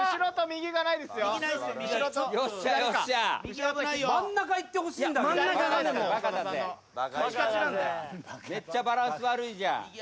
めっちゃバランス悪いじゃん。